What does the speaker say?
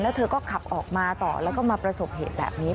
แล้วเธอก็ขับออกมาต่อแล้วก็มาประสบเหตุแบบนี้